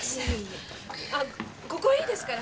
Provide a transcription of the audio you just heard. ここいいですから。